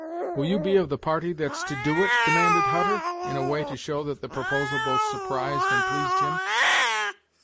"Will you be of the party that's to do it?" demanded Hutter, in a way to show that the proposal both surprised and pleased him.